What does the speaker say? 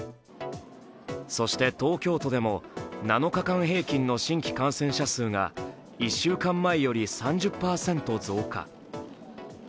そして東京都でも７日間平均の新規感染者数が１週間前より３０％増加。